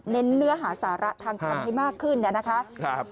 เน้นเนื้อหาสาระทางคำให้มากขึ้นมันนะคะครับครับ